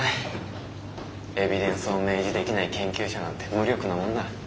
エビデンスを明示できない研究者なんて無力なもんだ。